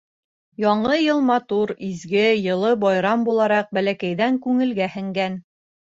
Яңы йыл матур, изге, йылы байрам булараҡ, бәләкәйҙән күңелгә һеңгән.